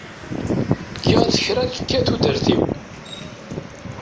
Giɣ-t kra tekka tudert-iw.